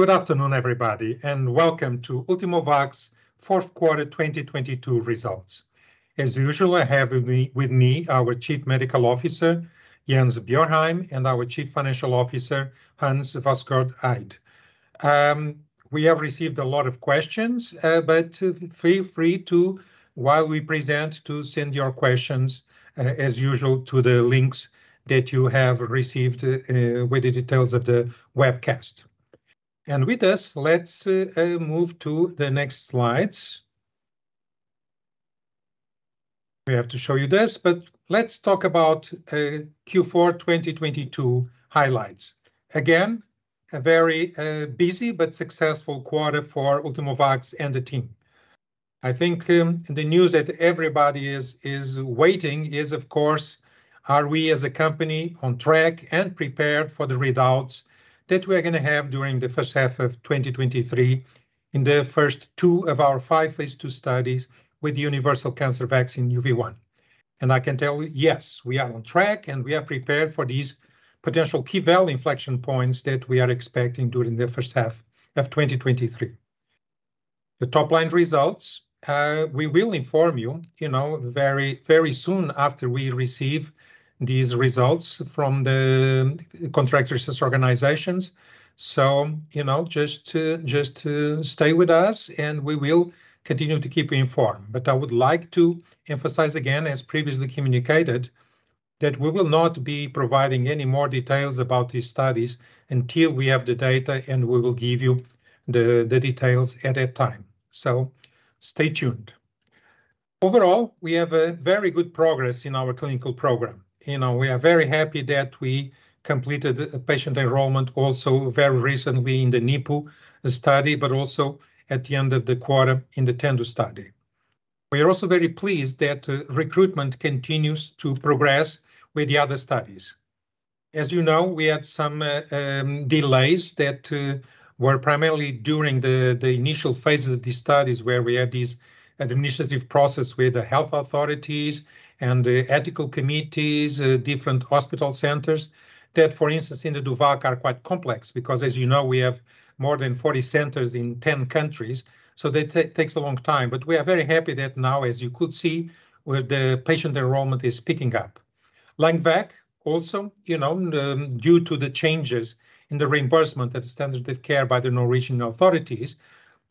Good afternoon, everybody, Welcome to Ultimovacs Fourth Quarter 2022 results. As usual, I have with me our Chief Medical Officer, Jens Bjørheim, and our Chief Financial Officer, Hans Vassgård Eid. We have received a lot of questions, but feel free to, while we present, to send your questions as usual to the links that you have received with the details of the webcast. With this, let's move to the next slides. We have to show you this, but let's talk about Q4 2022 highlights. Again, a very busy but successful quarter for Ultimovacs and the team. I think, the news that everybody is waiting is, of course, are we as a company on track and prepared for the readouts that we're gonna have during the first half of 2023 in the first two of our five phase II studies with universal cancer vaccine UV1. I can tell you, yes, we are on track, and we are prepared for these potential key value inflection points that we are expecting during the first half of 2023. The top-line results, we will inform you know, very, very soon after we receive these results from the contract research organizations. You know, just stay with us, and we will continue to keep you informed. I would like to emphasize again, as previously communicated, that we will not be providing any more details about these studies until we have the data, and we will give you the details at that time. Stay tuned. Overall, we have a very good progress in our clinical program. You know, we are very happy that we completed a patient enrollment also very recently in the NIPU study, but also at the end of the quarter in the TENDU study. We are also very pleased that recruitment continues to progress with the other studies. As you know, we had some delays that were primarily during the initial phases of these studies where we had this administrative process with the health authorities and the ethical committees, different hospital centers that, for instance, in the DOVACC are quite complex because, as you know, we have more than 40 centers in 10 countries, so that takes a long time. We are very happy that now, as you could see, where the patient enrollment is picking up. LUNGVAC also, you know, due to the changes in the reimbursement of standard of care by the Norwegian authorities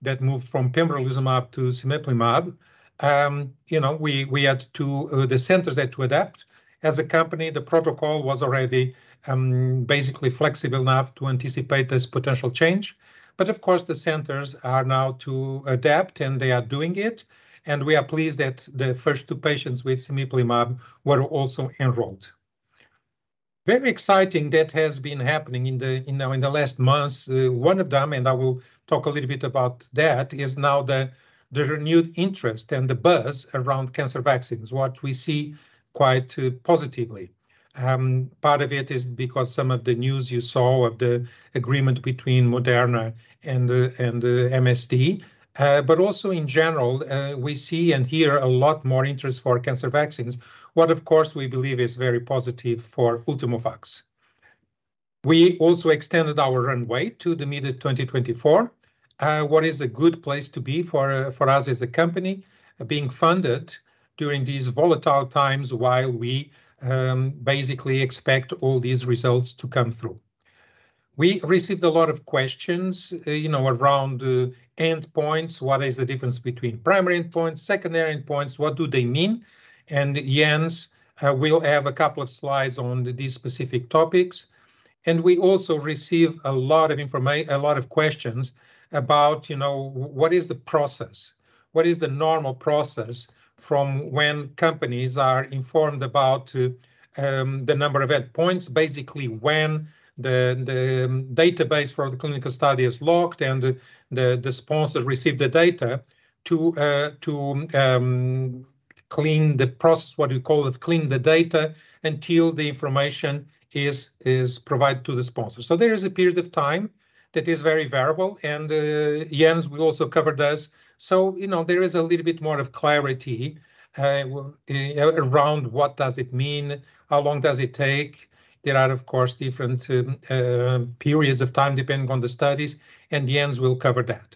that moved from pembrolizumab to cemiplimab, you know, we had to, the centers had to adapt. As a company, the protocol was already basically flexible enough to anticipate this potential change. Of course, the centers are now to adapt, and they are doing it, and we are pleased hat the first two patients with cemiplimab were also enrolled. Very exciting that has been happening in the last months. One of them, and I will talk a little bit about that, is now the renewed interest and the buzz around cancer vaccines, what we see quite positively. Part of it is because some of the news you saw of the agreement between Moderna and MSD. Also in general, we see and hear a lot more interest for cancer vaccines. What, of course, we believe is very positive for Ultimovacs. We also extended our runway to the mid of 2024, what is a good place to be for us as a company, being funded during these volatile times while we basically expect all these results to come through. We received a lot of questions, you know, around endpoints. What is the difference between primary endpoints, secondary endpoints? What do they mean? Jens will have a couple of slides on these specific topics. We also receive a lot of questions about, you know, what is the process, what is the normal process from when companies are informed about the number of endpoints, basically when the database for the clinical study is locked and the sponsor received the data to clean the process, what we call clean the data, until the information is provided to the sponsor. There is a period of time that is very variable, and Jens will also cover this. You know, there is a little bit more of clarity around what does it mean, how long does it take. There are, of course, different periods of time depending on the studies, and Jens will cover that.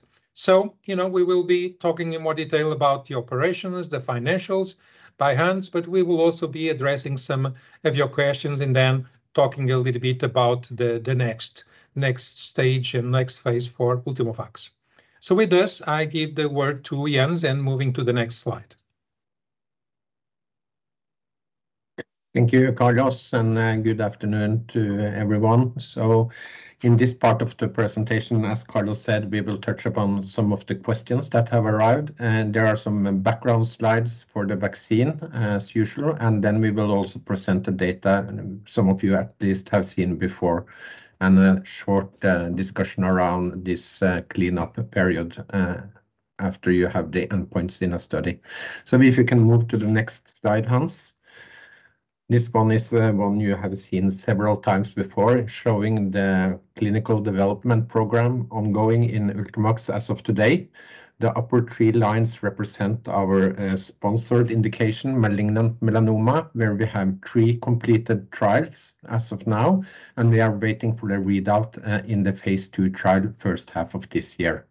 You know, we will be talking in more detail about the operations, the financials by Hans, but we will also be addressing some of your questions and then talking a little bit about the next stage and next phase for Ultimovacs. With this, I give the word to Jens, and moving to the next slide. Thank you, Carlos, and good afternoon to everyone. In this part of the presentation, as Carlos said, we will touch upon some of the questions that have arrived, and there are some background slides for the vaccine, as usual. Then we will also present the data, and some of you at least have seen before, and a short discussion around this cleanup period after you have the endpoints in a study. If you can move to the next slide, Hans. This one is the one you have seen several times before, showing the clinical development program ongoing in Ultimovacs as of today. The upper three lines represent our sponsored indication, Malignant melanoma, where we have three completed trials as of now, and we are waiting for the readout in the phase II trial first half of this year.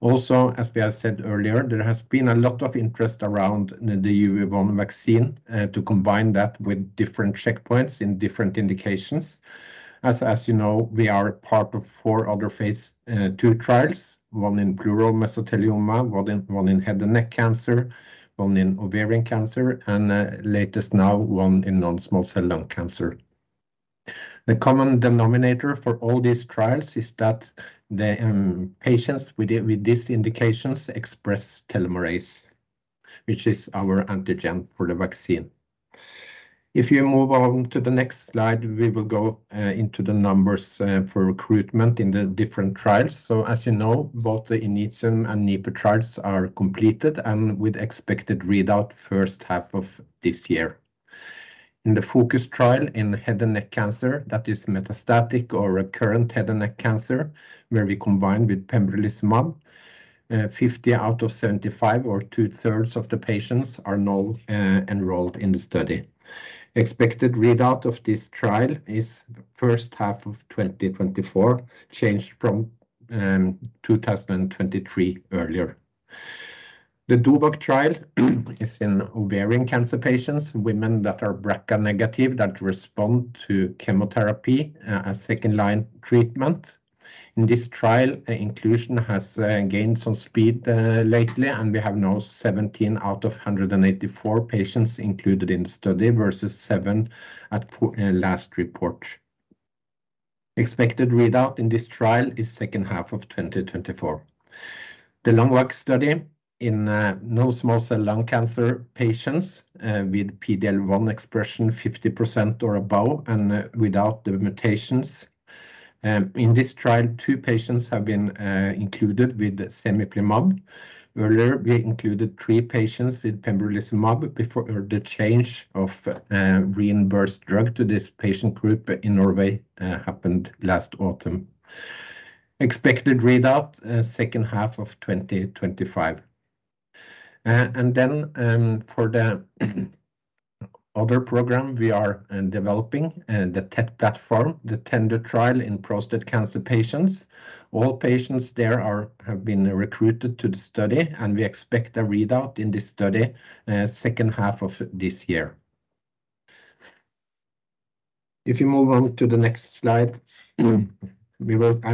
As we have said earlier, there has been a lot of interest around the UV1 vaccine to combine that with different checkpoints in different indications. As you know, we are part of four other phase II trials: one in pleural mesothelioma, one in head and neck cancer, one in ovarian cancer, and latest now, one in non-small cell lung cancer. The common denominator for all these trials is that the patients with these indications express Telomerase, which is our antigen for the vaccine. If you move on to the next slide, we will go into the numbers for recruitment in the different trials. As you know, both the INITIUM and NIPU trials are completed and with expected readout first half of this year. In the FOCUS trial in head and neck cancer, that is metastatic or recurrent head and neck cancer where we combine with pembrolizumab, 50 out of 75 or two-thirds of the patients are now enrolled in the study. Expected readout of this trial is the first half of 2024, changed from 2023 earlier. The DOVACC trial is in ovarian cancer patients, women that are BRCA negative that respond to chemotherapy as second line treatment. In this trial, inclusion has gained some speed lately, and we have now 17 out of 184 patients included in study versus seven at last report. Expected readout in this trial is second half of 2024. The LUNGVAC study in non-small cell lung cancer patients with PD-L1 expression 50% or above and without the mutations. In this trial, two patients have been included with cemiplimab. Earlier, we included three patients with pembrolizumab before the change of reimbursed drug to this patient group in Norway happened last autumn. Expected readout, second half of 2025. For the other program we are developing, the TET platform, the TENDU trial in prostate cancer patients. All patients have been recruited to the study. We expect a readout in this study second half of this year. If you move on to the next slide, I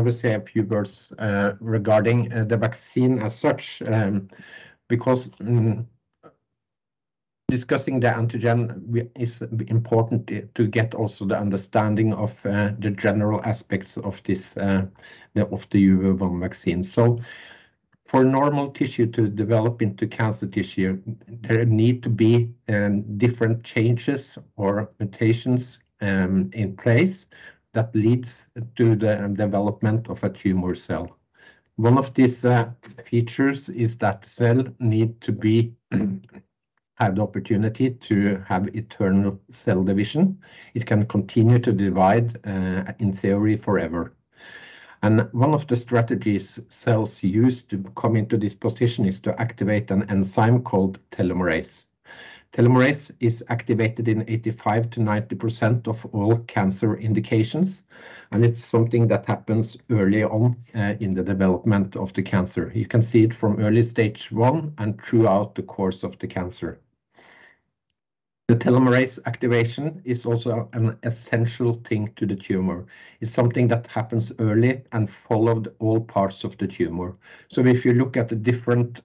will say a few words regarding the vaccine as such, because discussing the antigen is important to get also the understanding of the general aspects of this, of the UV1 vaccine. For normal tissue to develop into cancer tissue, there need to be different changes or mutations in place that leads to the development of a tumor cell. One of these features is that cell need to have the opportunity to have eternal cell division. It can continue to divide in theory forever. One of the strategies cells use to come into this position is to activate an enzyme called Telomerase. Telomerase is activated in 85% to 90% of all cancer indications, and it's something that happens early on in the development of the cancer. You can see it from early stage one and throughout the course of the cancer. The Telomerase activation is also an essential thing to the tumor. It's something that happens early and followed all parts of the tumor. If you look at the different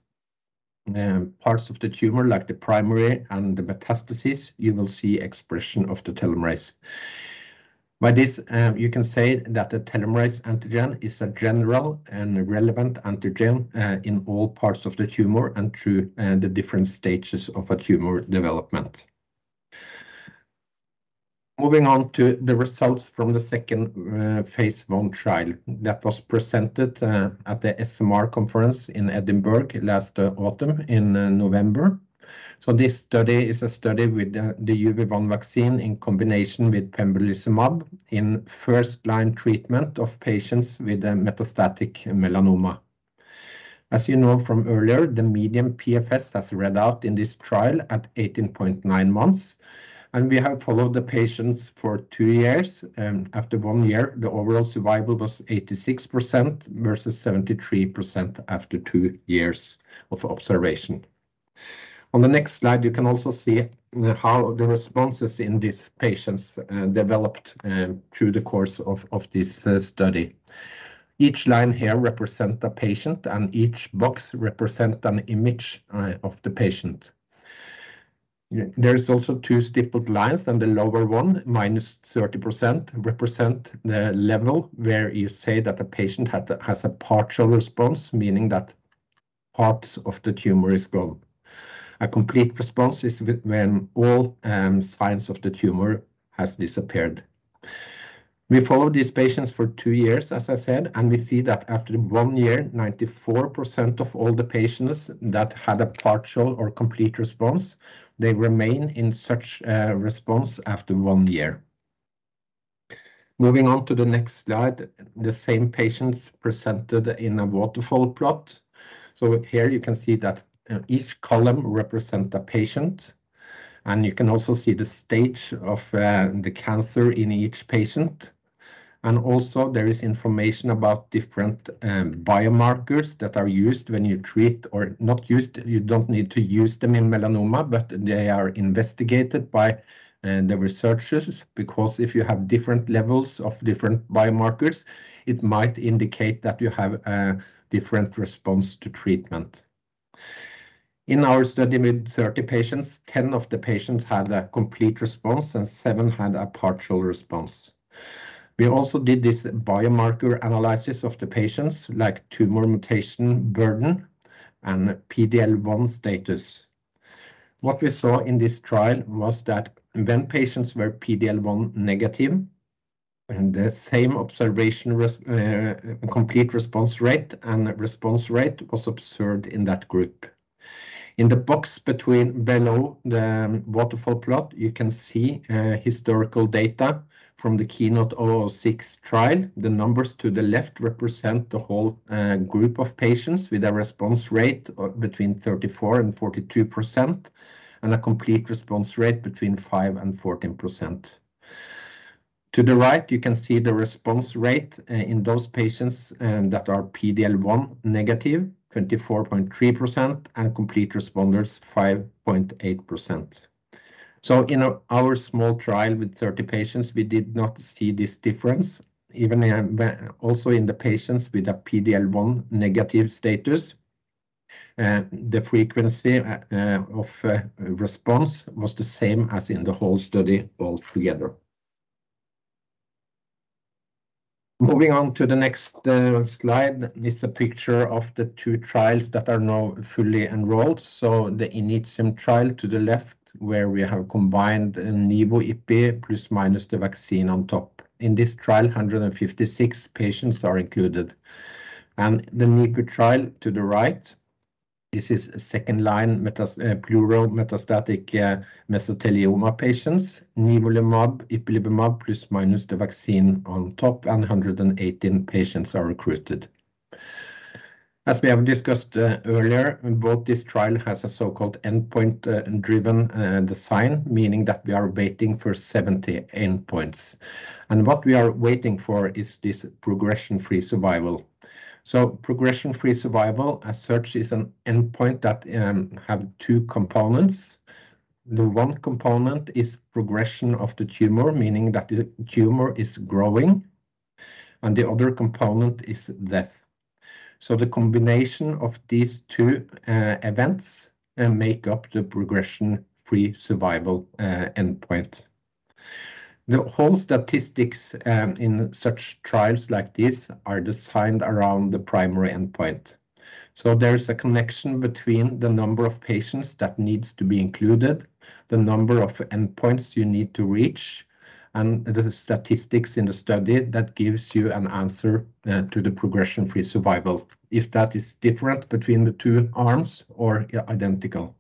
parts of the tumor, like the primary and the metastasis, you will see expression of the Telomerase. By this, you can say that the Telomerase antigen is a general and relevant antigen in all parts of the tumor and through the different stages of a tumor development. Moving on to the results from the second phase I trial that was presented at the SMR Congress in Edinburgh last autumn in November. This study is a study with the UV1 vaccine in combination with pembrolizumab in first-line treatment of patients with a Metastatic melanoma. As you know from earlier, the median PFS has read out in this trial at 18.9 months, and we have followed the patients for two years. After one year, the overall survival was 86% versus 73% after two years of observation. On the next slide, you can also see how the responses in these patients developed through the course of this study. Each line here represent a patient, and each box represent an image of the patient. There is also two stippled lines, and the lower one, -30%, represent the level where you say that the patient has a partial response, meaning that parts of the tumor is gone. A complete response is when all signs of the tumor has disappeared. We followed these patients for two years, as I said, and we see that after one year, 94% of all the patients that had a partial or complete response, they remain in such response after one year. Moving on to the next slide, the same patients presented in a waterfall plot. Here you can see that each column represent a patient, and you can also see the stage of the cancer in each patient. Also there is information about different biomarkers that are used when you treat or not used. You don't need to use them in melanoma, but they are investigated by the researchers because if you have different levels of different biomarkers, it might indicate that you have a different response to treatment. In our study with 30 patients, 10 of the patients had a complete response, and seven had a partial response. We also did this biomarker analysis of the patients, like tumor mutation burden and PD-L1 status. What we saw in this trial was that when patients were PD-L1 negative and the same observation complete response rate and response rate was observed in that group. In the box below the waterfall plot, you can see historical data from the KEYNOTE-006 trial. The numbers to the left represent the whole group of patients with a response rate between 34% and 42% and a complete response rate between 5% and 14%. To the right, you can see the response rate in those patients that are PD-L1 negative, 24.3%, and complete responders, 5.8%. In our small trial with 30 patients, we did not see this difference. Also in the patients with a PD-L1 negative status, the frequency of response was the same as in the whole study altogether. Moving on to the next slide is a picture of the two trials that are now fully enrolled. The INITIUM trial to the left where we have combined Nivo/Ipi plus/minus the vaccine on top. In this trial, 156 patients are included. The NIPU trial to the right, this is second-line pleural metastatic mesothelioma patients. Nivolumab, Ipilimumab plus/minus the vaccine on top, and 118 patients are recruited. As we have discussed earlier, both this trial has a so-called endpoint driven design, meaning that we are waiting for 70 endpoints. What we are waiting for is this progression-free survival. Progression-free survival as such is an endpoint that have two components. The one component is progression of the tumor, meaning that the tumor is growing, and the other component is death. The combination of these two events make up the progression-free survival endpoint. The whole statistics in such trials like this are designed around the primary endpoint. There is a connection between the number of patients that needs to be included, the number of endpoints you need to reach, and the statistics in the study that gives you an answer to the progression-free survival, if that is different between the two arms or identical.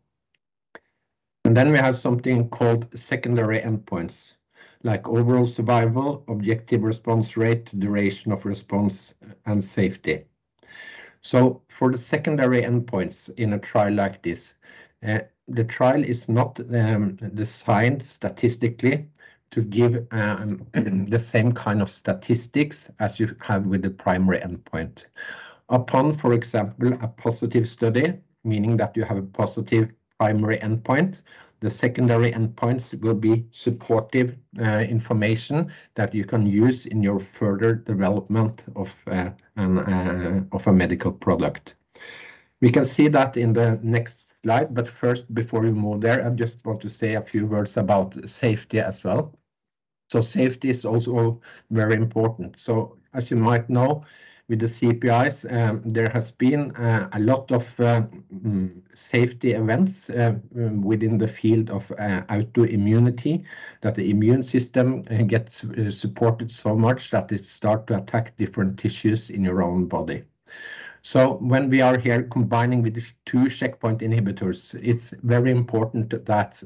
Then we have something called secondary endpoints, like overall survival, objective response rate, duration of response, and safety. For the secondary endpoints in a trial like this, the trial is not designed statistically to give the same kind of statistics as you have with the primary endpoint. Upon, for example, a positive study, meaning that you have a positive primary endpoint, the secondary endpoints will be supportive information that you can use in your further development of a medical product. We can see that in the next slide, but first before we move there, I just want to say a few words about safety as well. Safety is also very important. As you might know, with the CPIs, there has been a lot of safety events within the field of autoimmunity, that the immune system gets supported so much that it start to attack different tissues in your own body. When we are here combining with these two checkpoint inhibitors, it's very important that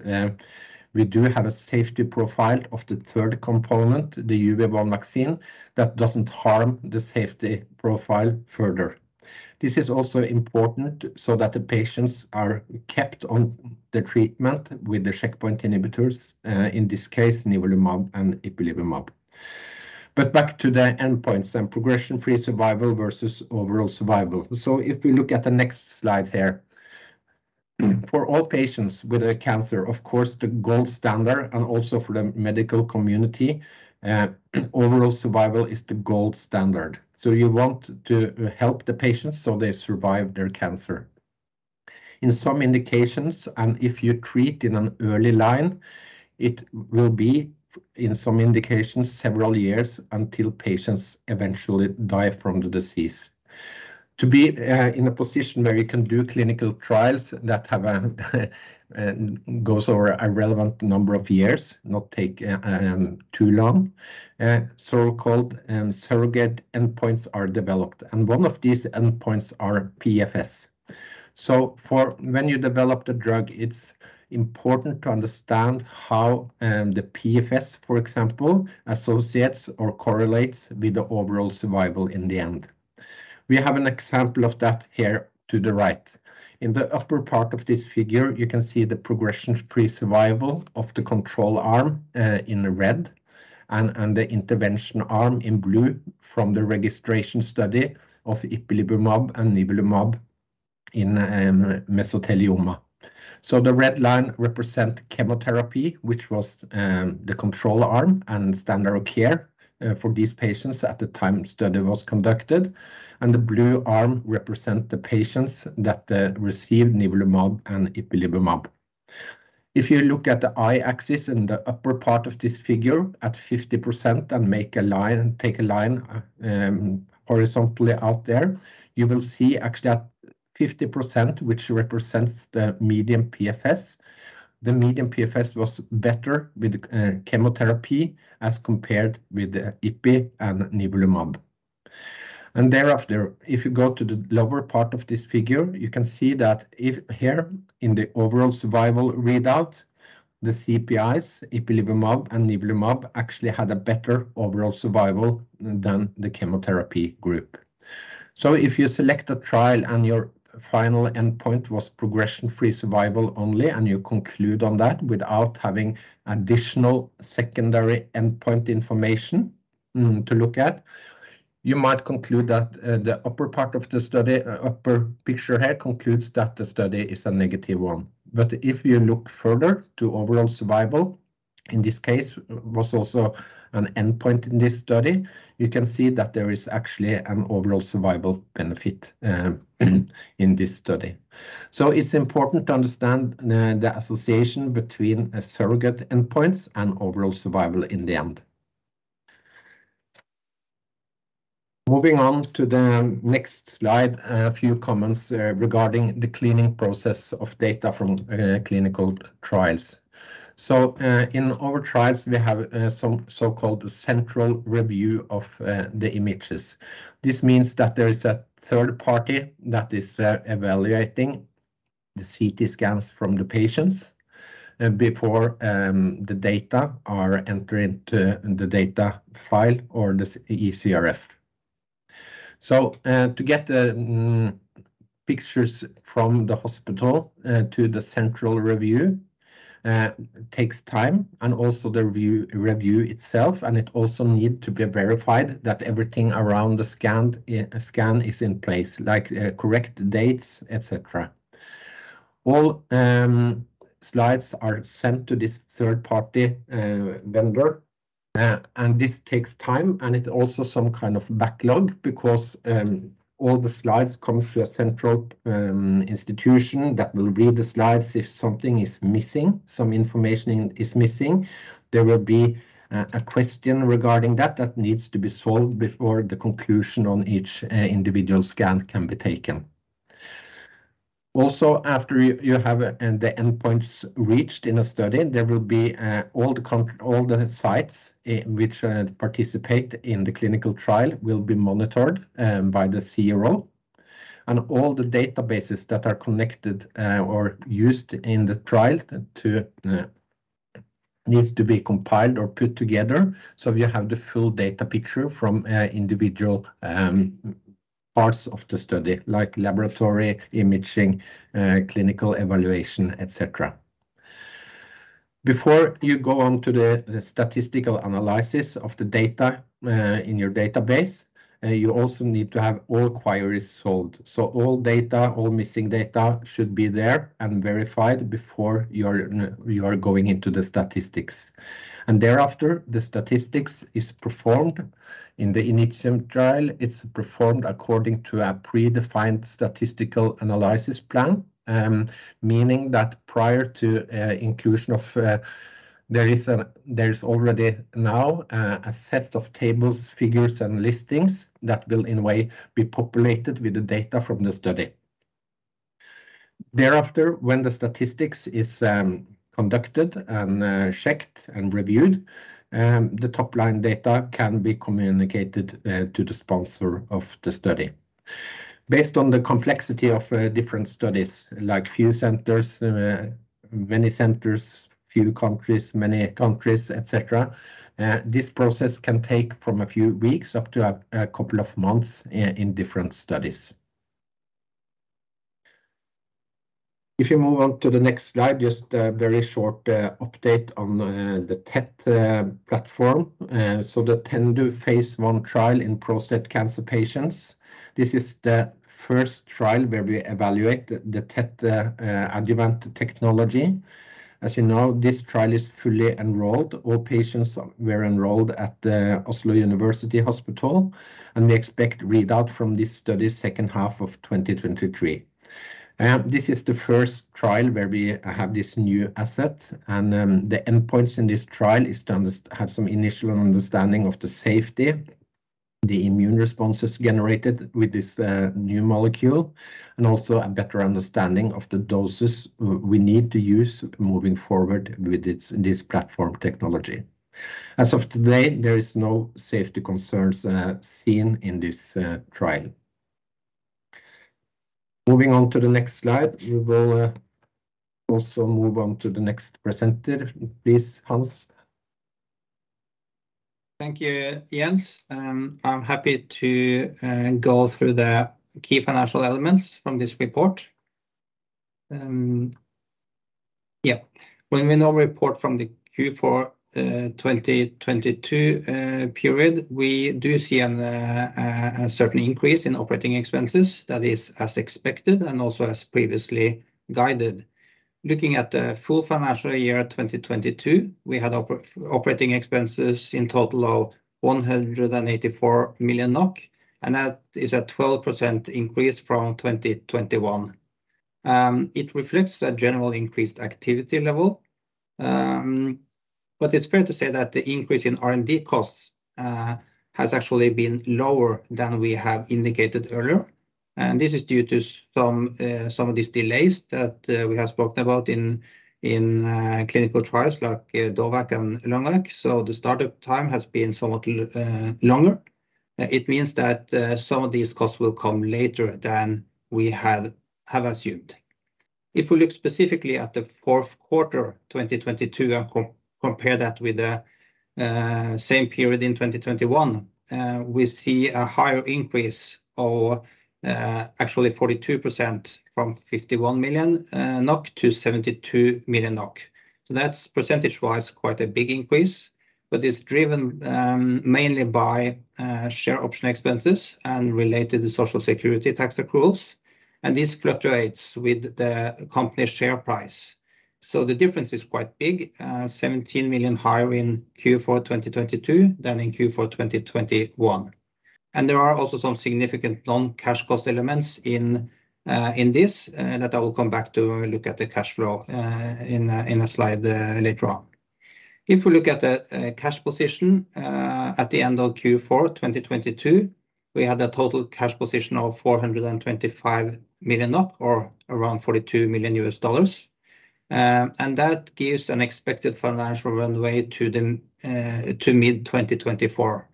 we do have a safety profile of the third component, the UV1 vaccine, that doesn't harm the safety profile further. This is also important so that the patients are kept on the treatment with the checkpoint inhibitors, in this case, nivolumab and ipilimumab. Back to the endpoints and progression-free survival versus overall survival. If we look at the next slide here, for all patients with a cancer, of course, the gold standard and also for the medical community, overall survival is the gold standard. You want to help the patients, so they survive their cancer. In some indications, and if you treat in an early line, it will be in some indications several years until patients eventually die from the disease. To be in a position where you can do clinical trials that have goes over a relevant number of years, not take too long, so-called surrogate endpoints are developed. One of these endpoints are PFS. So for when you develop the drug, it's important to understand how the PFS, for example, associates or correlates with the overall survival in the end. We have an example of that here to the right. In the upper part of this figure, you can see the progression-free survival of the control arm, in red and the intervention arm in blue from the registration study of ipilimumab and nivolumab in mesothelioma. The red line represent chemotherapy, which was the control arm and standard of care for these patients at the time study was conducted. The blue arm represent the patients that received nivolumab and ipilimumab. If you look at the I axis in the upper part of this figure at 50% and take a line horizontally out there, you will see actually at 50%, which represents the median PFS. The median PFS was better with chemotherapy as compared with the ipi and nivolumab. Thereafter, if you go to the lower part of this figure, you can see that if here in the overall survival readout, the CPIs ipilimumab and nivolumab actually had a better overall survival than the chemotherapy group. If you select a trial and your final endpoint was progression-free survival only, and you conclude on that without having additional secondary endpoint information to look at, you might conclude that the upper picture here concludes that the study is a negative one. If you look further to overall survival in this case was also an endpoint in this study, you can see that there is actually an overall survival benefit in this study. It's important to understand the association between surrogate endpoints and overall survival in the end. Moving on to the next slide, a few comments regarding the cleaning process of data from clinical trials. In our trials, we have some so-called central review of the images. This means that there is a third party that is evaluating the CT scans from the patients before the data are entered into the data file or the eCRF. To get the pictures from the hospital to the central review takes time and also the review itself. It also need to be verified that everything around the scanned scan is in place, like correct dates, et cetera. All slides are sent to this third party vendor. This takes time, and it also some kind of backlog because all the slides come through a central institution that will read the slides if something is missing, some information is missing, there will be a question regarding that that needs to be solved before the conclusion on each individual scan can be taken. Also, after you have the endpoints reached in a study, there will be all the sites which participate in the clinical trial will be monitored by the CRO. All the databases that are connected or used in the trial needs to be compiled or put together. You have the full data picture from individual parts of the study, like laboratory imaging, clinical evaluation, et cetera. Before you go on to the statistical analysis of the data, in your database, you also need to have all queries solved. All data, all missing data should be there and verified before you are going into the statistics. Thereafter the statistics is performed in the initial trial. It's performed according to a predefined statistical analysis plan, meaning that prior to inclusion of... there is already now a set of tables, figures, and listings that will in a way be populated with the data from the study. Thereafter, when the statistics is conducted and checked and reviewed, the top-line data can be communicated to the sponsor of the study. Based on the complexity of different studies, like few centers, many centers, few countries, many countries, et cetera, this process can take from a few weeks up to a couple of months in different studies. If you move on to the next slide, just a very short update on the TET platform. The TENDU phase I trial in prostate cancer patients. This is the first trial where we evaluate the TET adjuvant technology. As you know, this trial is fully enrolled. All patients were enrolled at the Oslo University Hospital, and we expect readout from this study's second half of 2023. This is the first trial where we have this new asset. The endpoints in this trial is to have some initial understanding of the safety, the immune responses generated with this new molecule, and also a better understanding of the doses we need to use moving forward with this platform technology. As of today, there is no safety concerns seen in this trial. Moving on to the next slide, we will, also move on to the next presenter. Please, Hans. Thank you, Jens. I'm happy to go through the key financial elements from this report. When we now report from the Q4 2022 period, we do see a certain increase in operating expenses. That is as expected, and also as previously guided. Looking at the full financial year 2022, we had operating expenses in total of 184 million NOK, and that is a 12% increase from 2021. It reflects a general increased activity level. It's fair to say that the increase in R&D costs has actually been lower than we have indicated earlier. This is due to some of these delays that we have spoken about in clinical trials, like DOVACC and LUNGVAC. The startup time has been somewhat longer. It means that some of these costs will come later than we have assumed. If we look specifically at the fourth quarter 2022 and compare that with the same period in 2021, we see a higher increase of actually 42% from 51 million NOK to 72 million NOK. That's percentage-wise quite a big increase, but it's driven mainly by share option expenses and related social security tax accruals, and this fluctuates with the company share price. The difference is quite big, 17 million higher in Q4 2022 than in Q4 2021. There are also some significant non-cash cost elements in this that I will come back to when we look at the cash flow in a slide later on. If we look at the cash position at the end of Q4 2022, we had a total cash position of 425 million NOK or around $42 million. That gives an expected financial runway to mid-2024.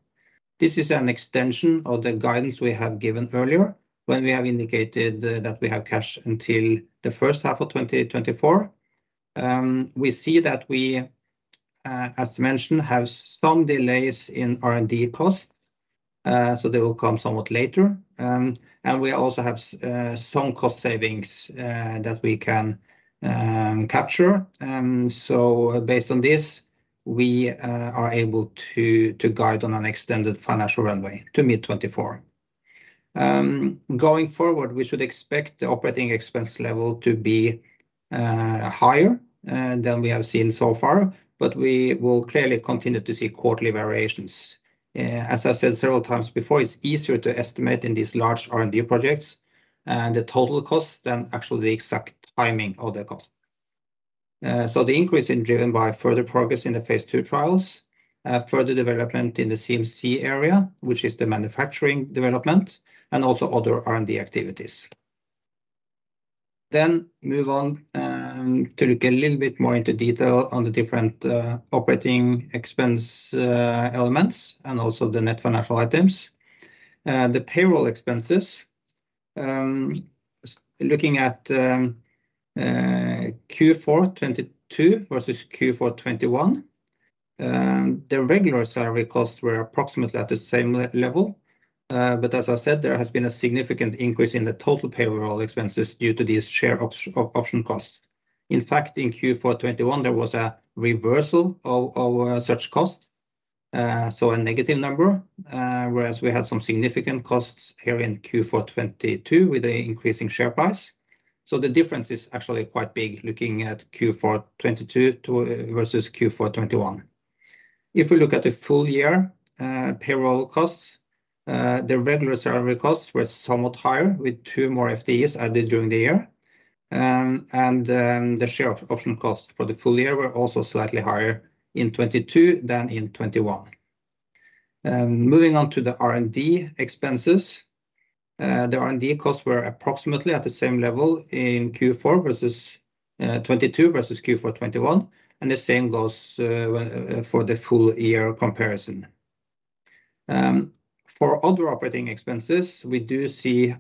This is an extension of the guidance we have given earlier when we have indicated that we have cash until the first half of 2024. We see that we, as mentioned, have some delays in R&D costs, so they will come somewhat later. We also have some cost savings that we can capture. Based on this, we are able to guide on an extended financial runway to mid-2024. Going forward, we should expect the operating expense level to be higher than we have seen so far, but we will clearly continue to see quarterly variations. As I've said several times before, it's easier to estimate in these large R&D projects and the total cost than actually the exact timing of the cost. The increase is driven by further progress in the phase II trials, further development in the CMC area, which is the manufacturing development, and also other R&D activities. Move on to look a little bit more into detail on the different operating expense elements and also the net financial items. The payroll expenses, looking at Q4 2022 versus Q4 2021, the regular salary costs were approximately at the same level. As I said, there has been a significant increase in the total payroll expenses due to these share opt-option costs. In fact, in Q4 2021, there was a reversal of such costs, so a negative number. Whereas we had some significant costs here in Q4 2022 with the increasing share price. The difference is actually quite big looking at Q4 2022 to versus Q4 2021. If we look at the full year payroll costs, the regular salary costs were somewhat higher, with two more FTEs added during the year. The share opt-option costs for the full year were also slightly higher in 2022 than in 2021. Moving on to the R&D expenses. The R&D costs were approximately at the same level in Q4 2022 versus Q4 2021, the same goes when for the full year comparison. For other operating expenses, we do see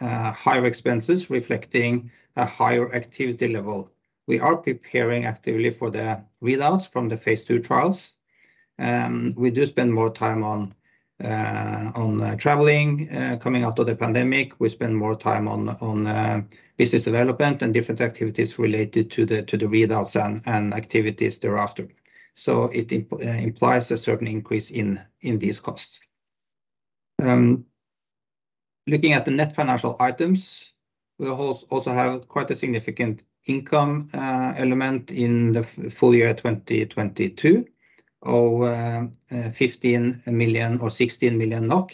higher expenses reflecting a higher activity level. We are preparing actively for the readouts from the phase II trials. We do spend more time on traveling. Coming out of the pandemic, we spend more time on business development and different activities related to the readouts and activities thereafter. It implies a certain increase in these costs. Looking at the net financial items, we also have quite a significant income element in the full year 2022 of 15 million or 16 million NOK.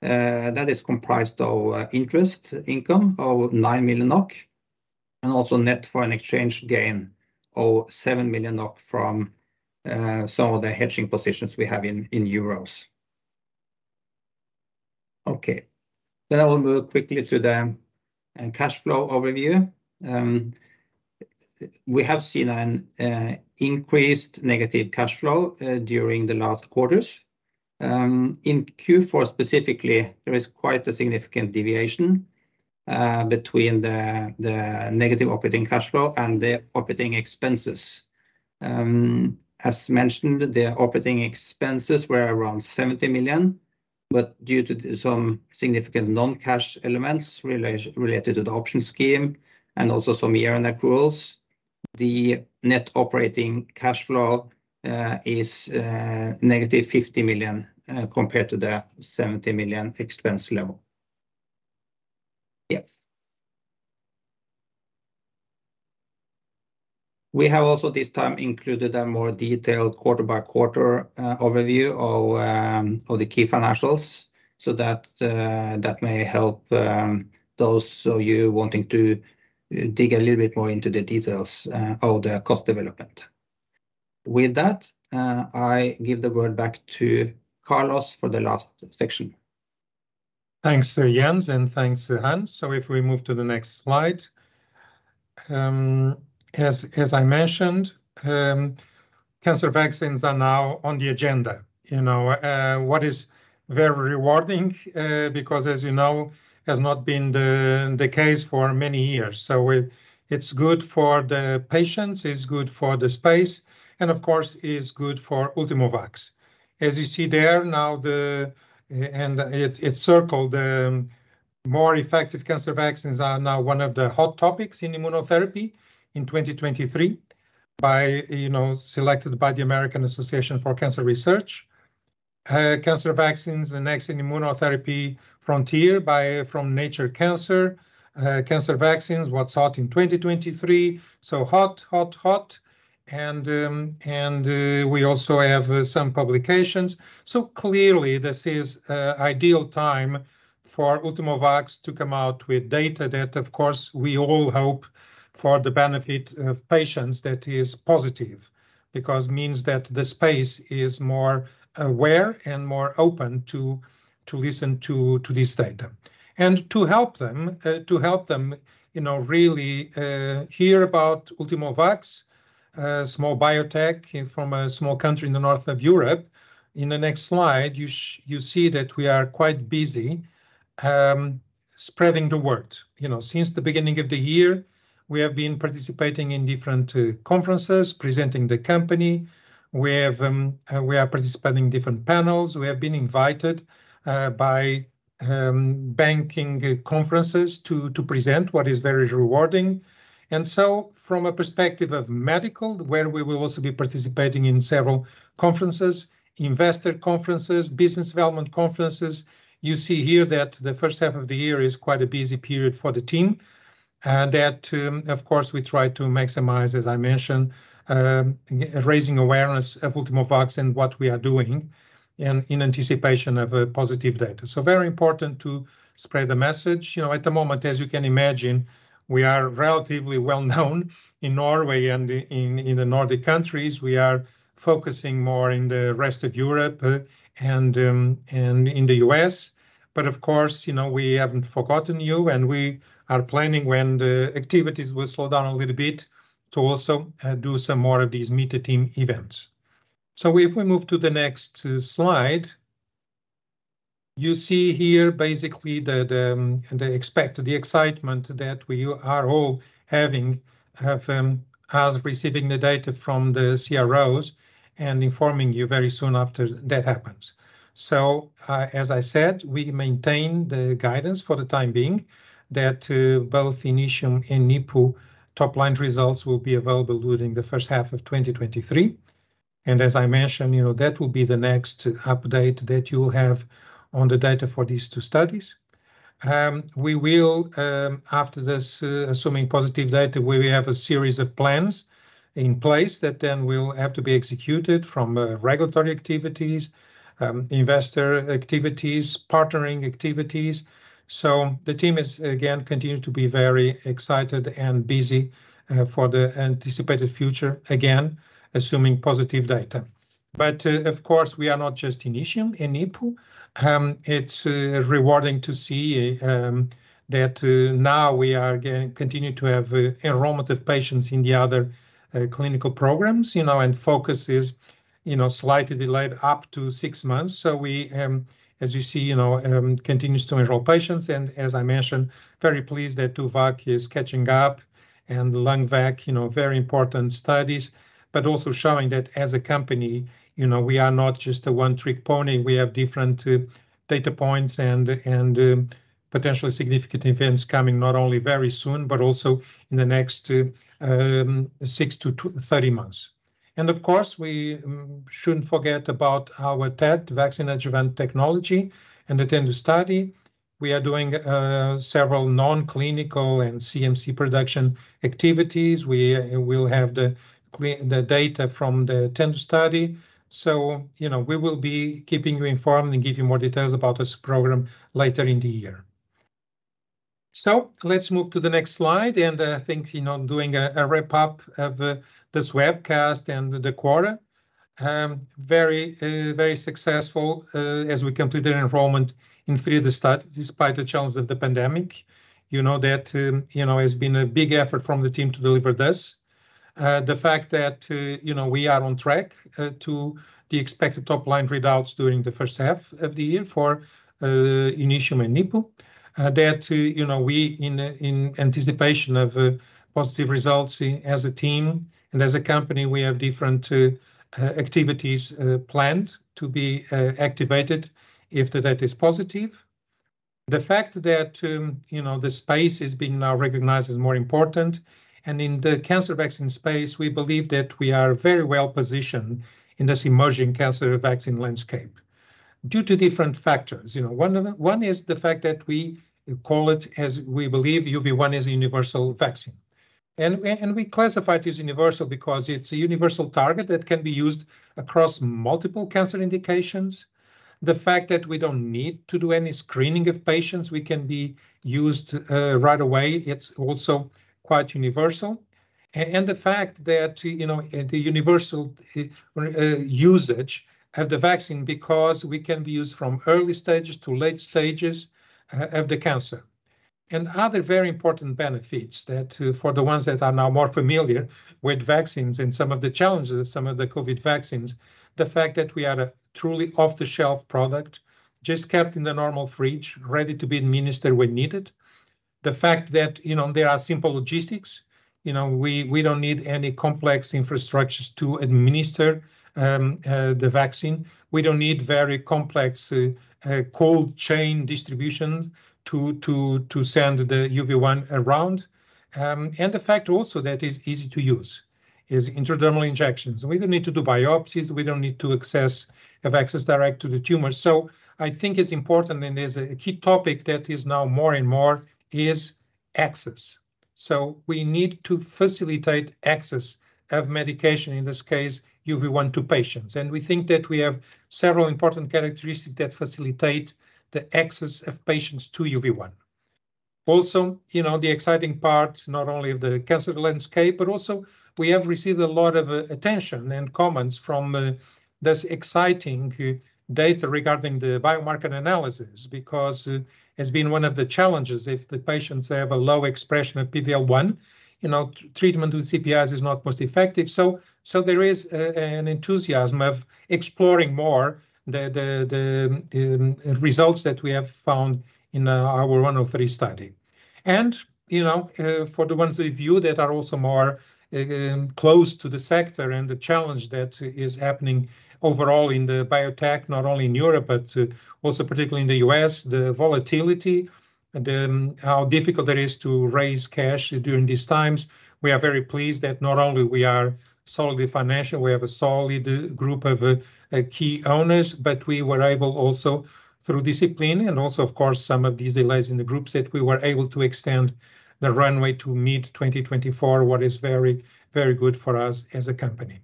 That is comprised of interest income of 9 million NOK, and also net foreign exchange gain of 7 million NOK from some of the hedging positions we have in Euros. Okay. I will move quickly to the cash flow overview. We have seen an increased negative cash flow during the last quarters. In Q4 specifically, there is quite a significant deviation between the negative operating cash flow and the operating expenses. As mentioned, the operating expenses were around 70 million, due to some significant non-cash elements related to the option scheme and also some year-end accruals, the net operating cash flow is -50 million compared to the 70 million expense level. Yes. We have also this time included a more detailed quarter by quarter overview of the key financials, so that that may help those of you wanting to dig a little bit more into the details of the cost development. With that, I give the word back to Carlos for the last section. Thanks, Jens, and thanks, Hans. If we move to the next slide. As I mentioned, cancer vaccines are now on the agenda. You know, what is very rewarding, because as you know, has not been the case for many years. It's good for the patients, it's good for the space, and of course is good for Ultimovacs. As you see there now the... And it's circled, more effective cancer vaccines are now one of the hot topics in immunotherapy in 2023 by, you know, selected by the American Association for Cancer Research. Cancer vaccines, the next immunotherapy frontier from Nature Cancer. Cancer vaccines, what's hot in 2023. Hot, hot. We also have some publications. Clearly this is ideal time for Ultimovacs to come out with data that of course we all hope for the benefit of patients that is positive, because means that the space is more aware and more open to listen to this data. To help them, you know, really hear about Ultimovacs, a small biotech from a small country in the north of Europe. In the next slide, you see that we are quite busy spreading the word. You know, since the beginning of the year, we have been participating in different conferences, presenting the company. We are participating in different panels. We have been invited by banking conferences to present what is very rewarding. From a perspective of medical, where we will also be participating in several conferences, investor conferences, business development conferences. You see here that the first half of the year is quite a busy period for the team. That, of course we try to maximize, as I mentioned, raising awareness of Ultimovacs and what we are doing and in anticipation of a positive data. Very important to spread the message. You know, at the moment, as you can imagine, we are relatively well-known in Norway and in the Nordic countries. We are focusing more in the rest of Europe, and in the U.S. Of course, you know, we haven't forgotten you, and we are planning when the activities will slow down a little bit to also do some more of these meet the team events. If we move to the next slide. You see here basically that, the excitement that we are all having have, as receiving the data from the CROs and informing you very soon after that happens. As I said, we maintain the guidance for the time being that, both INITIUM and NIPU top-line results will be available during the first half of 2023. As I mentioned, you know, that will be the next update that you have on the data for these two studies. We will, after this, assuming positive data, we will have a series of plans in place that then will have to be executed from, regulatory activities, investor activities, partnering activities. The team is again, continue to be very excited and busy, for the anticipated future, again, assuming positive data. Of course, we are not just INITIUM and NIPU. It's rewarding to see that now we are again continue to have enrollment of patients in the other clinical programs, you know, and FOCUS is, you know, slightly delayed up to six months. We, as you see, you know, continues to enroll patients. As I mentioned, very pleased that DOVACC is catching up and the LUNGVAC, you know, very important studies, but also showing that as a company, you know, we are not just a one-trick pony. We have different data points and potentially significant events coming not only very soon, but also in the next six to 30 months. Of course, we shouldn't forget about our TET, vaccine adjuvant technology, and the TENDU study. We are doing several non-clinical and CMC production activities. You know, we will be keeping you informed and give you more details about this program later in the year. Let's move to the next slide. I think, you know, doing a wrap up of this webcast and the quarter. Very successful as we completed enrollment in three of the studies despite the challenge of the pandemic. You know that, you know, it's been a big effort from the team to deliver this. The fact that, you know, we are on track to the expected top-line readouts during the first half of the year for INITIUM and NIPU. That, you know, we, in anticipation of positive results as a team and as a company, we have different activities planned to be activated if the data is positive. The fact that, you know, the space is being now recognized as more important. In the cancer vaccine space, we believe that we are very well-positioned in this emerging cancer vaccine landscape due to different factors, you know. One is the fact that we call it as we believe UV1 is a universal vaccine. We classify it as universal because it's a universal target that can be used across multiple cancer indications. The fact that we don't need to do any screening of patients, we can be used right away, it's also quite universal. The fact that, you know, the universal usage of the vaccine because we can be used from early stages to late stages of the cancer. Other very important benefits that for the ones that are now more familiar with vaccines and some of the challenges of some of the COVID vaccines, the fact that we are a truly off-the-shelf product just kept in the normal fridge, ready to be administered when needed. The fact that, you know, there are simple logistics. You know, we don't need any complex infrastructures to administer the vaccine. We don't need very complex cold chain distribution to send the UV1 around. The fact also that it's easy to use as intradermal injections. We don't need to do biopsies. We don't need to have access direct to the tumor. I think it's important, and it's a key topic that is now more and more, is access. We need to facilitate access of medication, in this case UV1, to patients. We think that we have several important characteristics that facilitate the access of patients to UV1. Also, you know, the exciting part, not only of the cancer landscape, but also we have received a lot of attention and comments from this exciting data regarding the biomarker analysis because it has been one of the challenges. If the patients have a low expression of PD-L1, you know, treatment with CPIs is not most effective. There is an enthusiasm of exploring more the results that we have found in our UV1-103 study. You know, for the ones with you that are also more close to the sector and the challenge that is happening overall in the biotech, not only in Europe but also particularly in the U.S., the volatility, and how difficult that is to raise cash during these times. We are very pleased that not only we are solidly financial, we have a solid group of key owners, but we were able also through discipline and also, of course, some of these allies in the groups that we were able to extend the runway to mid-2024, what is very, very good for us as a company.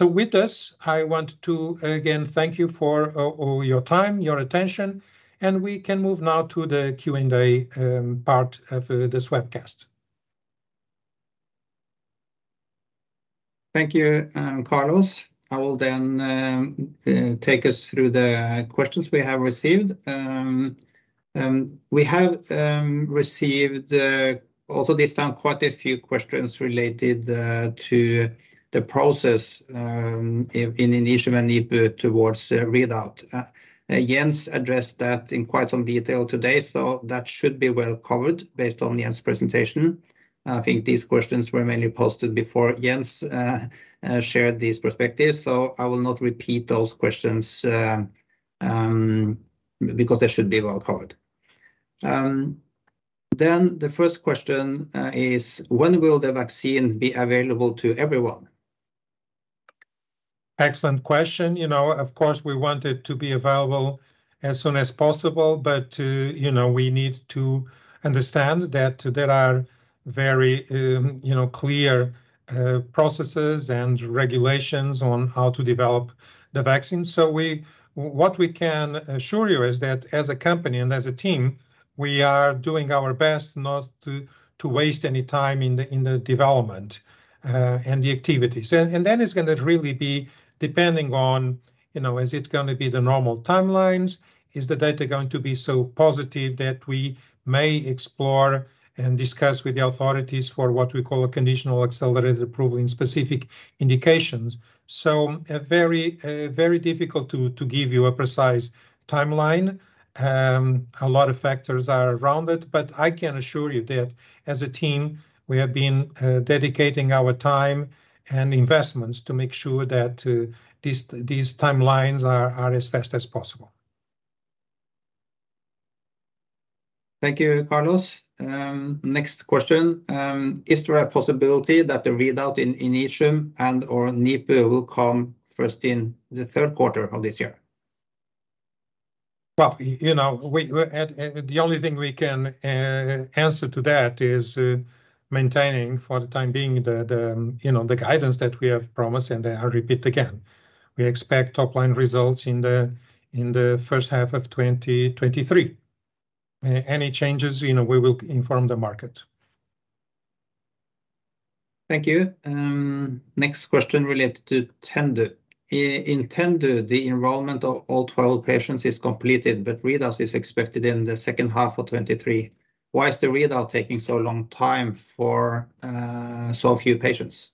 With this, I want to again thank you for all your time, your attention, and we can move now to the Q&A part of this webcast. Thank you, Carlos. I will take us through the questions we have received. We have received also this time quite a few questions related to the process in INITIUM and NIPU towards the readout. Jens addressed that in quite some detail today, so that should be well covered based on Jens' presentation. I think these questions were mainly posted before Jens shared these perspectives, so I will not repeat those questions because they should be well covered. The first question is: "When will the vaccine be available to everyone? Excellent question. You know, of course, we want it to be available as soon as possible but, you know, we need to understand that there are very, you know, clear processes and regulations on how to develop the vaccine. What we can assure you is that as a company and as a team, we are doing our best not to waste any time in the development and the activities. Then it's gonna really be depending on, you know, is it gonna be the normal timelines? Is the data going to be so positive that we may explore and discuss with the authorities for what we call a conditional Accelerated Approval in specific indications. A very, very difficult to give you a precise timeline. A lot of factors are around it. I can assure you that as a team, we have been dedicating our time and investments to make sure that these timelines are as fast as possible. Thank you, Carlos. Next question. "Is there a possibility that the readout in INITIUM and/or NIPU will come first in the third quarter of this year? Well, you know, we're at the only thing we can answer to that is maintaining for the time being the, you know, the guidance that we have promised. I repeat again. We expect top-line results in the, in the first half of 2023. Any changes, you know, we will inform the market. Thank you. next question related to TENDU. In TENDU, the enrollment of all 12 patients is completed, but readout is expected in the second half of 2023. Why is the readout taking so long time for so few patients?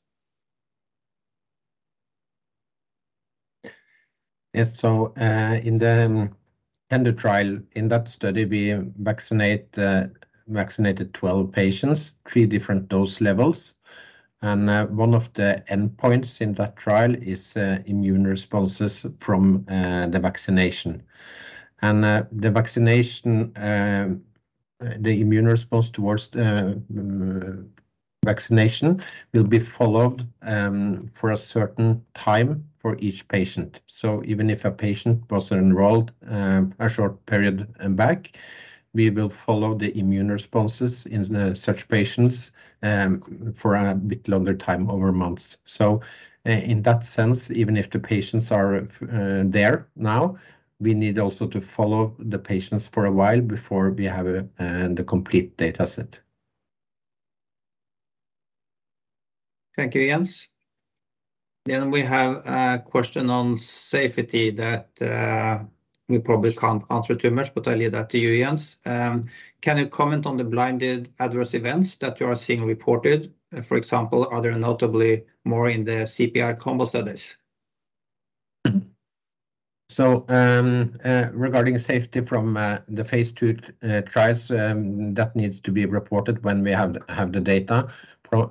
Yes. In the TENDU trial, in that study, we vaccinated 12 patients, three different dose levels, and one of the endpoints in that trial is immune responses from the vaccination. The vaccination, the immune response towards the vaccination will be followed for a certain time for each patient. Even if a patient was enrolled a short period back, we will follow the immune responses in such patients for a bit longer time over months. In that sense, even if the patients are there now, we need also to follow the patients for a while before we have a complete data set. Thank you, Jens. We have a question on safety that, we probably can't answer too much, but I leave that to you, Jens. Can you comment on the blinded adverse events that you are seeing reported? For example, are there notably more in the CPI combo studies? Regarding safety from the phase II trials, that needs to be reported when we have the data.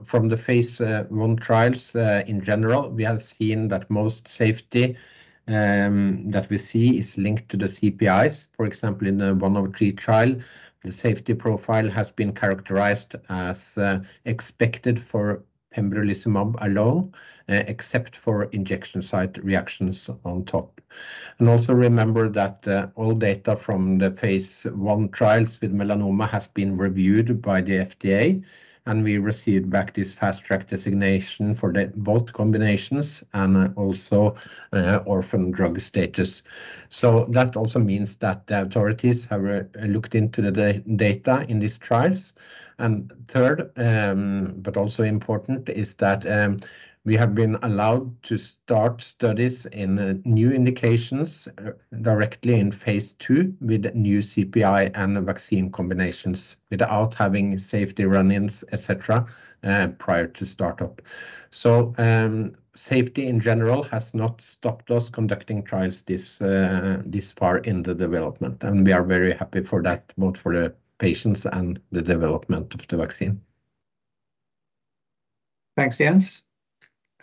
From the Phase I trials, in general, we have seen that most safety that we see is linked to the CPIs. For example, in the UV1-103 trial, the safety profile has been characterized as expected for pembrolizumab alone, except for injection site reactions on top. Also remember that all data from the Phase I trials with melanoma has been reviewed by the FDA, and we received back this Fast Track designation for the both combinations and also Orphan Drug Designation. That also means that the authorities have looked into the data in these trials. Third, but also important is that we have been allowed to start studies in new indications, directly in phase II with new CPI and the vaccine combinations without having safety run-ins, et cetera, prior to start up. Safety in general has not stopped us conducting trials this far in the development, and we are very happy for that, both for the patients and the development of the vaccine. Thanks, Jens.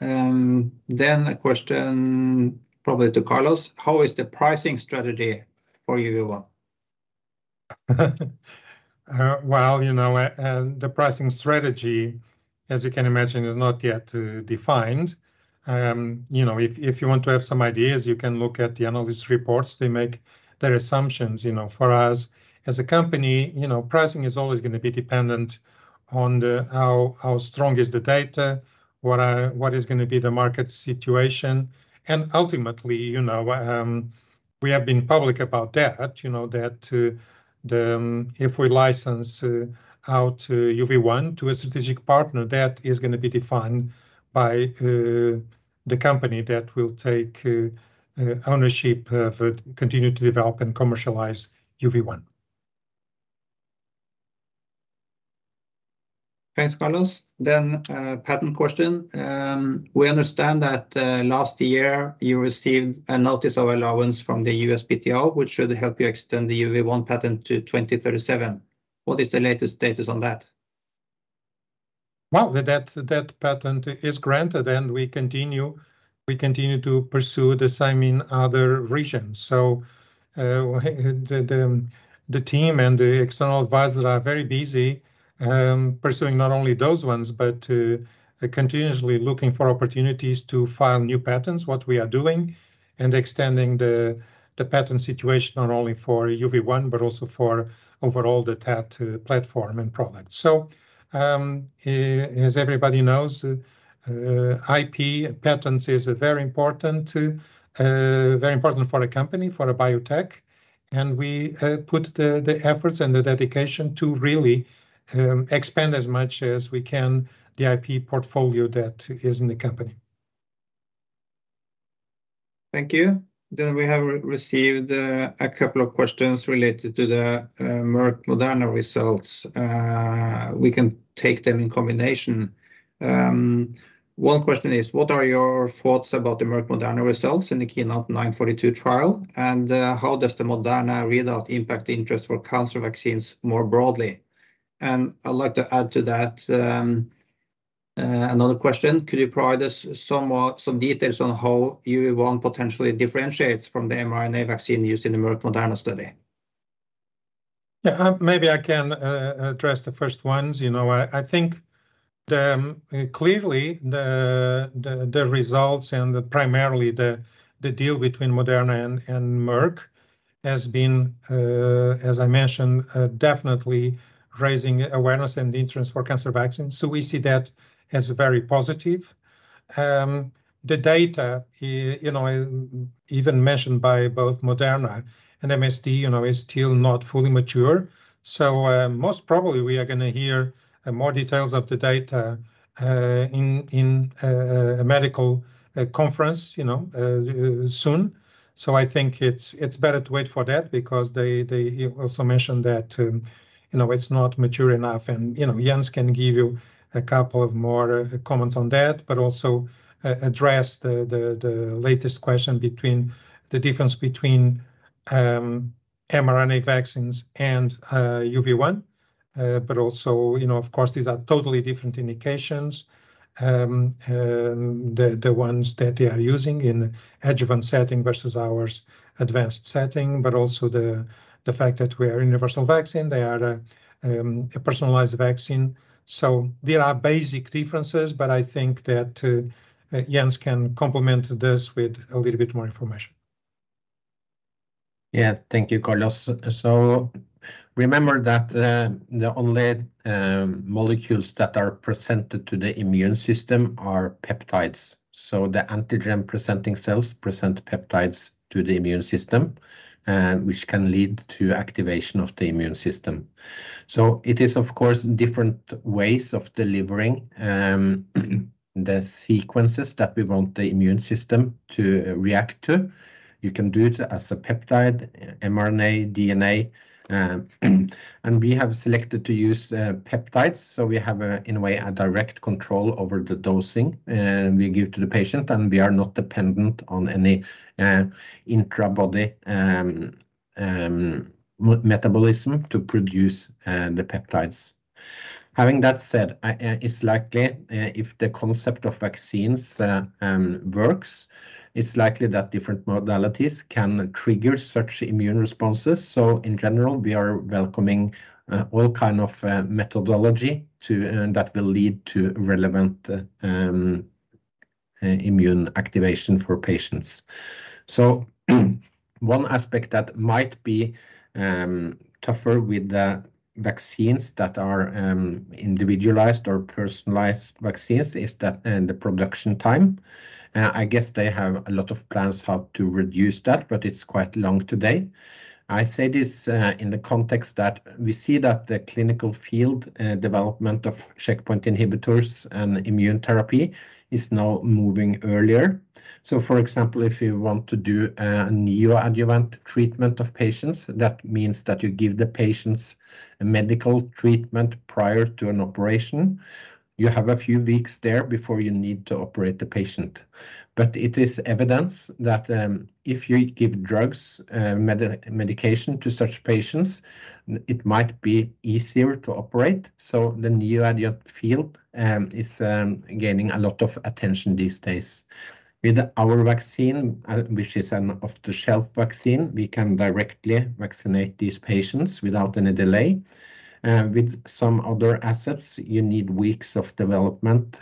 A question probably to Carlos: How is the pricing strategy for UV1? Well, you know, the pricing strategy, as you can imagine, is not yet defined. You know, if you want to have some ideas, you can look at the analyst reports. They make their assumptions, you know. For us as a company, you know, pricing is always gonna be dependent on the how strong is the data, what is gonna be the market situation. Ultimately, you know, we have been public about that, you know, that if we license out UV1 to a strategic partner, that is gonna be defined by the company that will take ownership of continue to develop and commercialize UV1. Thanks, Carlos. A patent question. We understand that last year you received a notice of allowance from the USPTO, which should help you extend the UV1 patent to 2037. What is the latest status on that? That patent is granted, and we continue to pursue the same in other regions. The team and the external advisors are very busy pursuing not only those ones, but continuously looking for opportunities to file new patents, what we are doing, and extending the patent situation not only for UV1, but also for overall the TAT platform and product. As everybody knows, IP patents is very important, very important for a company, for a biotech, and we put the efforts and the dedication to really expand as much as we can the IP portfolio that is in the company. Thank you. We have re-received a couple of questions related to the Merck Moderna results. We can take them in combination. One question is: What are your thoughts about the Merck Moderna results in the KEYNOTE-942 trial, and how does the Moderna readout impact interest for cancer vaccines more broadly? I'd like to add to that another question. Could you provide us somewhat some details on how UV1 potentially differentiates from the mRNA vaccine used in the Merck Moderna study? Yeah. Maybe I can address the first ones. You know, I think the clearly the results and primarily the deal between Moderna and Merck has been as I mentioned definitely raising awareness and the interest for cancer vaccines. We see that as very positive. The data, you know, even mentioned by both Moderna and MSD, you know, is still not fully mature. Most probably we are gonna hear more details of the data in a medical conference, you know, soon. I think it's better to wait for that because they also mentioned that, you know, it's not mature enough and, you know, Jens can give you a couple of more comments on that, but also address the latest question between the difference between mRNA vaccines and UV1. Also, you know, of course, these are totally different indications. The ones that they are using in adjuvant setting versus ours advanced setting, but also the fact that we are universal vaccine, they are a personalized vaccine. There are basic differences, but I think that Jens can complement this with a little bit more information. Yeah. Thank you, Carlos. Remember that the only molecules that are presented to the immune system are peptides. The antigen-presenting cells present peptides to the immune system, which can lead to activation of the immune system. It is, of course, different ways of delivering the sequences that we want the immune system to react to. You can do it as a peptide, mRNA, DNA. We have selected to use the peptides, so we have, in a way, a direct control over the dosing we give to the patient, and we are not dependent on any intra body metabolism to produce the peptides. Having that said, it's likely if the concept of vaccines works, it's likely that different modalities can trigger such immune responses. In general, we are welcoming all kind of methodology that will lead to relevant immune activation for patients. One aspect that might be tougher with the vaccines that are individualized or personalized vaccines is that the production time. I guess they have a lot of plans how to reduce that, but it's quite long today. I say this in the context that we see that the clinical field development of checkpoint inhibitors and immune therapy is now moving earlier. For example, if you want to do a neoadjuvant treatment of patients, that means that you give the patients a medical treatment prior to an operation. You have a few weeks there before you need to operate the patient. It is evidence that, if you give drugs, medication to such patients, it might be easier to operate. The neoadjuvant field is gaining a lot of attention these days. With our vaccine, which is an off-the-shelf vaccine, we can directly vaccinate these patients without any delay. With some other assets, you need weeks of development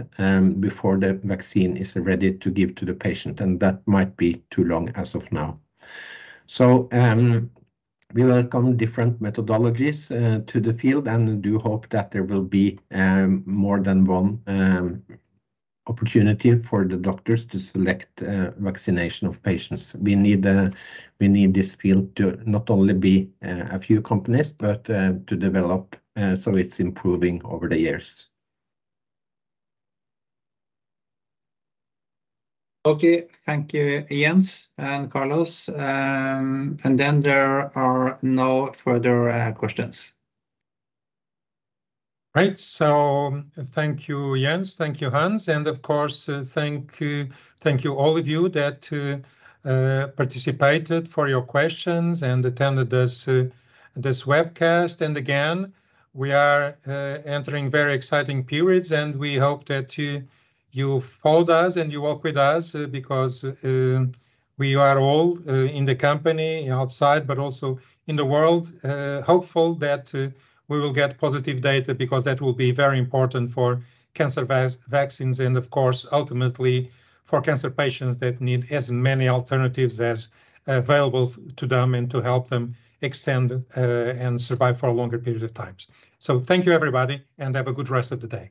before the vaccine is ready to give to the patient, and that might be too long as of now. We welcome different methodologies to the field and do hope that there will be more than one opportunity for the doctors to select vaccination of patients. We need this field to not only be a few companies but to develop, so it's improving over the years. Okay. Thank you, Jens and Carlos. There are no further questions. Right. Thank you, Jens. Thank you, Hans. Of course, thank you all of you that participated for your questions and attended this webcast. Again, we are entering very exciting periods, and we hope that you follow us and you walk with us because we are all in the company outside, but also in the world, hopeful that we will get positive data because that will be very important for cancer vaccines and of course, ultimately for cancer patients that need as many alternatives as available to them and to help them extend and survive for a longer period of times. Thank you everybody, and have a good rest of the day.